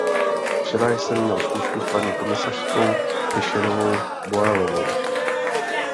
Včera jsem měl schůzku s paní komisařkou Fisherovou Boelovou.